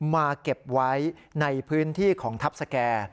มาเก็บไว้ในพื้นที่ของทัพสแก่